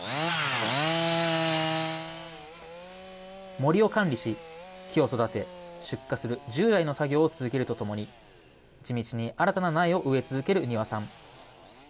森を管理し、木を育て、出荷する、従来の作業を続けるとともに、地道に新たな苗を植え続ける丹羽さん。